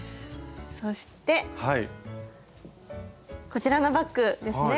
こちらのバッグですね。